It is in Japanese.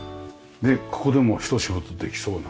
ここでもひと仕事できそうな。